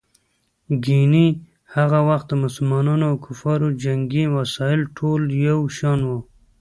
ګیني هغه وخت د مسلمانانو او کفارو جنګي وسایل ټول یو شان وو.